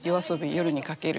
「夜に駆ける」